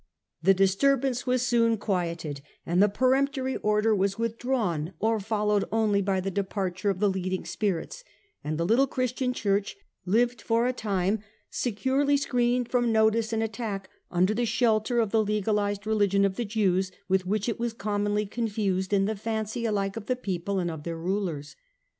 The disturbance was soon quieted, and the peremptory order was withdrawn, or followed only by the departure of the leading spirits ; and the little Christian church lived for a time securely screened from notice and attack under the shelter of the legalized religion of the Jews, with which it was commonly confused in the fancy alike of the people and of their rulers.